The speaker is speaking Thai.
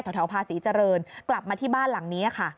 ภาษีเจริญกลับมาที่บ้านหลังนี้ค่ะ